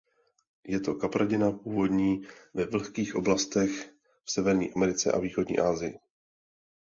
Je to kapradina původní ve vlhkých oblastech v Severní Americe a východní Asii.